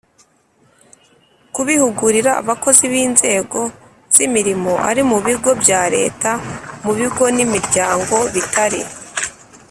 Kubihugurira abakozi b inzego z imirimo ari mu bigo bya leta mu bigo n imiryango bitari